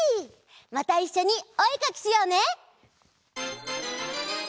またいっしょにおえかきしようね！